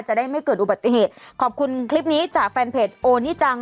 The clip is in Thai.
จะได้ไม่เกิดอุบัติเหตุขอบคุณคลิปนี้จากแฟนเพจโอนี่จัง